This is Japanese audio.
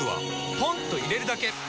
ポンと入れるだけ！